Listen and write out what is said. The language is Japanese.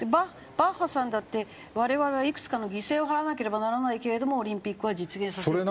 バッハさんだって我々はいくつかの犠牲を払わなければならないけれどもオリンピックは実現させるって。